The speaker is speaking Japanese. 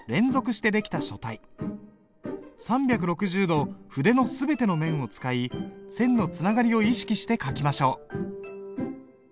３６０度筆の全ての面を使い線のつながりを意識して書きましょう。